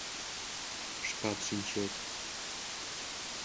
Шкат шинчет.